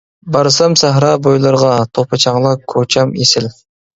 بارسام سەھرا بويلىرىغا، توپا-چاڭلىق كوچام ئېسىل.